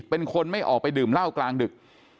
เป็นคนไม่ออกไปดื่มเหล้ากลางดึก